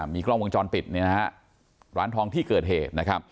มีกล้องวงจรปิดนะครับร้านทรองที่เกิดเหตุ